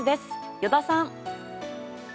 依田さん。